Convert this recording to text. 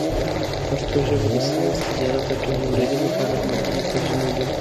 پښتو ژبه د ساینس، تجارت، او ټکنالوژۍ لپاره محدودې سرچینې لري.